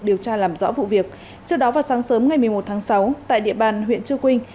điều tra làm rõ vụ việc trước đó vào sáng sớm ngày một mươi một tháng sáu tại địa bàn huyện chư quynh